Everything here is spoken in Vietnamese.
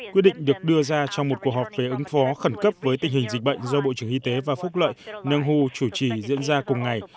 quyết định được đưa ra trong một cuộc họp về ứng phó khẩn cấp với tình hình dịch bệnh do bộ trưởng y tế và phúc lợi nâng hưu chủ trì diễn ra cùng ngày